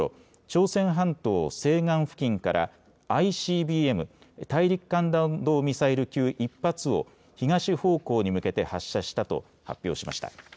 朝鮮半島西岸付近からＩＣＢＭ・大陸間弾道ミサイル級１発を東方向に向けて発射したと発表しました。